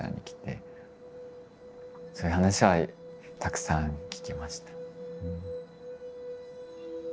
そういう話はたくさん聞きました。